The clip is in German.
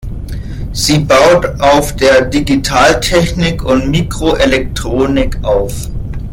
Sie baut auf der Digitaltechnik und Mikroelektronik auf.